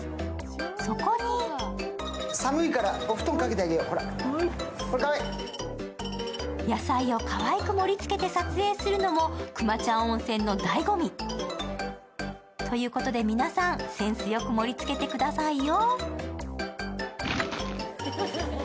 そこに野菜をかわいく盛り付けて撮影するのもくまちゃん温泉のだいご味。ということで、皆さんセンスよく盛り付けてくださいよ。